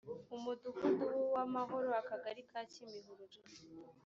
umudugudu w’uwamahoro akagali ka kimihurura